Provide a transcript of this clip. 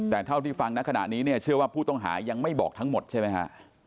แต่เท่าที่ฟังนะขณะนี้เนี่ยเชื่อว่าผู้ต้องหายังไม่บอกทั้งหมดใช่ไหมฮะ